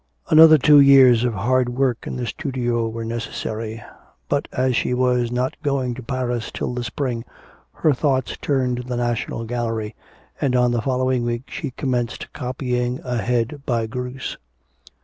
Another two years of hard work in the studio were necessary. But as she was not going to Paris till the spring her thoughts turned to the National Gallery, and on the following week she commenced copying a head by Greuse.